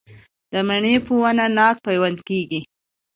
د مڼې په ونه ناک پیوند کیږي؟